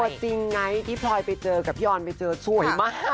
จริงไงที่พลอยไปเจอกับพี่ออนไปเจอสวยมาก